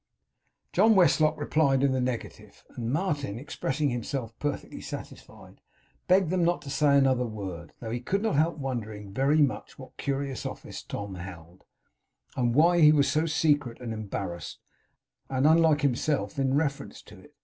John Westlock replied in the negative; and Martin, expressing himself perfectly satisfied, begged them not to say another word; though he could not help wondering very much what curious office Tom held, and why he was so secret, and embarrassed, and unlike himself, in reference to it.